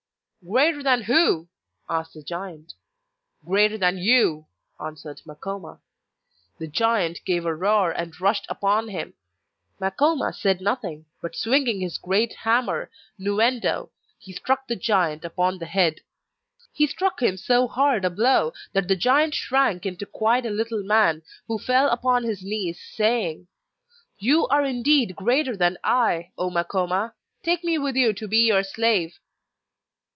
'Greater than who?' asked the giant. 'Greater than you!' answered Makoma. The giant gave a roar and rushed upon him. Makoma said nothing, but swinging his great hammer, Nu endo, he struck the giant upon the head. He struck him so hard a blow that the giant shrank into quite a little man, who fell upon his knees saying: 'You are indeed greater than I, O Makoma; take me with you to be your slave!